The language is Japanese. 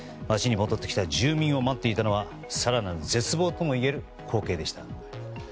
街に戻ってきた住民を待っていたのは更なる絶望ともいえる光景でした。